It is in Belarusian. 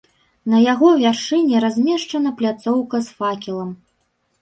На яго вяршыні размешчана пляцоўка з факелам.